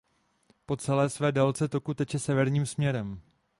Po celé své délce toku teče severním směrem.